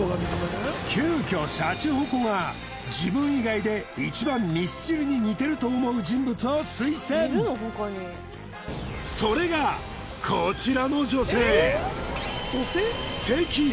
急きょシャチホコが自分以外で一番ミスチルに似てると思う人物を推薦それがこちらの女性